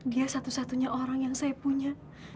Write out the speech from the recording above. dia satu satunya orang yang saya punya